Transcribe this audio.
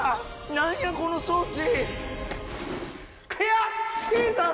何やこの装置！